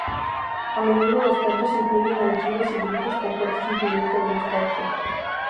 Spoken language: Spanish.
A menudo los cantos incluyen aullidos y gritos con fuerte sentimiento de nostalgia.